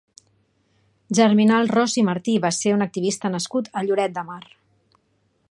Germinal Ros i Martí va ser un activista nascut a Lloret de Mar.